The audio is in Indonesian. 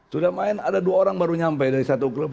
sudah main ada dua orang baru nyampe dari satu klub